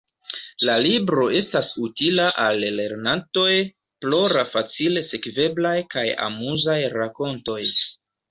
La libro estas utila al lernantoj pro la facile sekveblaj kaj amuzaj rakontoj.